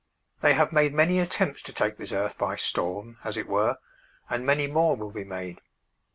They have made many attempts to take this earth by storm, as it were, and many more will be made.